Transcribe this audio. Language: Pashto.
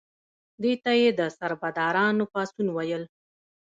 دې ته یې د سربدارانو پاڅون ویل.